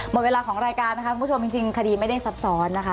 หมดเวลาของรายการนะคะคุณผู้ชมจริงคดีไม่ได้ซับซ้อนนะคะ